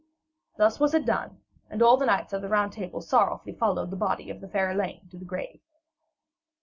Thus was it done, and all the knights of the Round Table sorrowfully followed the body of the fair Elaine to the grave.